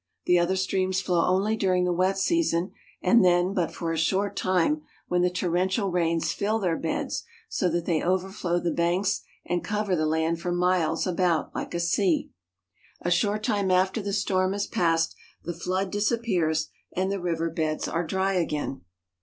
The other streams flow only during the wet season, and then but for a short time when the torrential rains fill their beds so that they overflow the banks and cover the land for miles about like a sea. A short time after the storm has passed the flood disappears, and the river beds are dry again.